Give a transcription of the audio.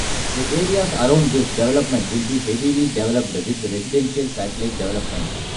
The areas around this development will be heavily developed with residential satellite developments.